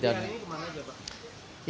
kemana ini kemana